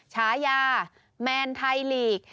ฉายาแมนไทยลีก